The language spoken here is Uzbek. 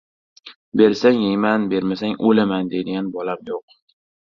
Bersang yeyman, bermasang o‘laman, deydigan bolam yo‘q.